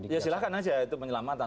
ya silahkan aja itu penyelamatan